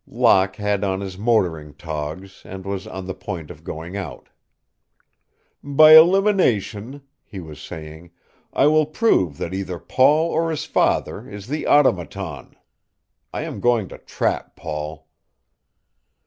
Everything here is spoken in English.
Locke had on his motoring togs and was on the point of going out. "By elimination," he was saying, "I will prove that either Paul or his father is the Automaton. I am going to trap Paul."